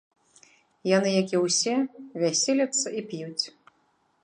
Яны, як і ўсе, вяселяцца і п'юць.